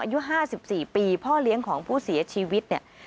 อายุ๕๔ปีพ่อเลี้ยงของผู้เสียชีวิตเนี่ย